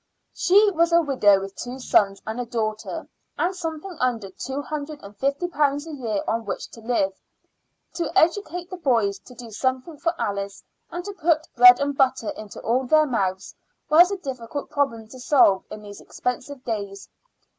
She was a widow with two sons and a daughter, and something under two hundred and fifty pounds a year on which to live. To educate the boys, to do something for Alice, and to put bread and butter into all their mouths was a difficult problem to solve in these expensive days.